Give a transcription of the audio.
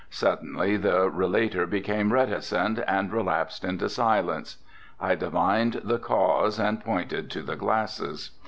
Suddenly the relator became reticent and relapsed into silence. I divined the cause and pointed to the glasses.